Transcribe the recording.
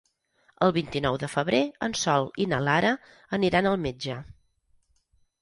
El vint-i-nou de febrer en Sol i na Lara aniran al metge.